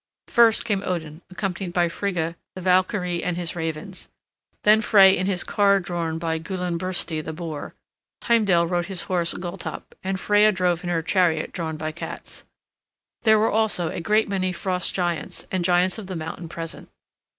First came Odin accompanied by Frigga, the Valkyrie, and his ravens; then Frey in his car drawn by Gullinbursti, the boar; Heimdall rode his horse Gulltopp, and Freya drove in her chariot drawn by cats. There were also a great many Frost giants and giants of the mountain present.